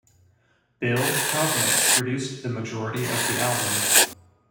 Bill Cosmiq produced the majority of the album.